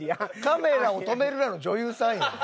『カメラを止めるな！』の女優さんやん。